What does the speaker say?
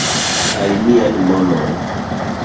kaj mian monon